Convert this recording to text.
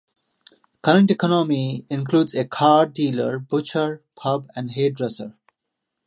Current economy includes a car dealer, butcher, pub and hairdresser.